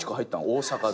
大阪で。